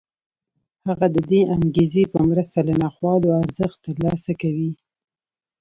هغه د دې انګېزې په مرسته له ناخوالو ارزښت ترلاسه کوي